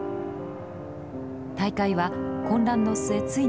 大会は混乱の末ついに分裂。